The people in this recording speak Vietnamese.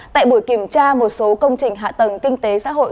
tại buổi kiểm tra một số công trình hạ tầng kinh tế xã hội